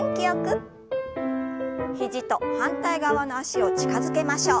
肘と反対側の脚を近づけましょう。